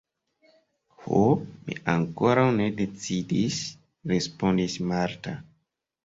Ho, mi ankoraŭ ne decidis – respondis Marta.